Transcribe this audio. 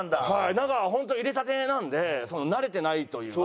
なんか本当入れたてなんで慣れてないというか。